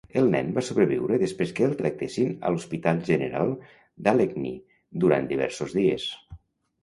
El nen va sobreviure després que el tractessin a l'Hospital General d'Allegheny durant diversos dies.